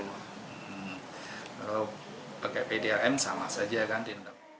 lalu pakai pdrm sama saja ganti